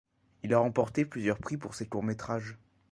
Il a remporté plusieurs prix pour ses courts métrages.